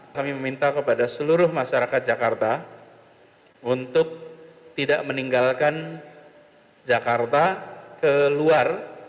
kami meminta kepada seluruh masyarakat jakarta untuk tidak meninggalkan jakarta ke luar